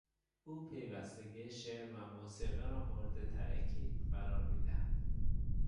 او پیوستگی شعر و موسیقی را مورد تاکید قرار میدهد.